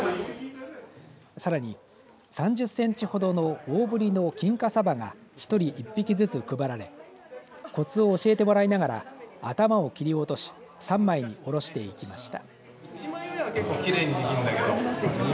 さらに３０センチほどの大ぶりの金華さばが一人１匹ずつ配られこつを教えてもらいながら頭を切り落とし３枚におろしていきました。